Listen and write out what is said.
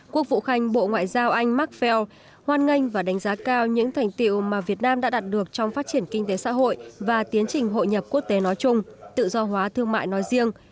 quốc vụ khanh bộ ngoại giao anh mark felo hoan nghênh và đánh giá cao những thành tiệu mà việt nam đã đạt được trong phát triển kinh tế xã hội và tiến trình hội nhập quốc tế nói chung tự do hóa thương mại nói riêng